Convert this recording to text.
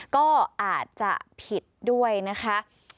ก็อาจจะผิดด้วยนะคะ